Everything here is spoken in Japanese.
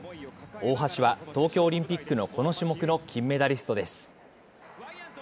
大橋は東京オリンピックのこの種目の金メダリストです。